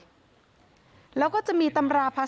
เป็นพระรูปนี้เหมือนเคี้ยวเหมือนกำลังทำปากขมิบท่องกระถาอะไรสักอย่าง